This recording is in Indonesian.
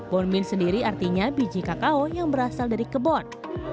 born bean sendiri artinya biji kakao yang berasal dari kebon